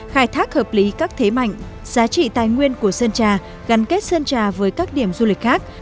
khai thác hợp lý các thế mạnh giá trị tài nguyên của sơn trà gắn kết sơn trà với các điểm du lịch khác